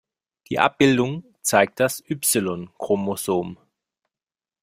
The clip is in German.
Die Abbildung zeigt das Y-Chromosom.